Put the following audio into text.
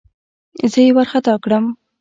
زه يې وارخطا کړم.